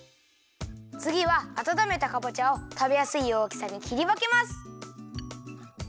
つぎはあたためたかぼちゃをたべやすいおおきさにきりわけます。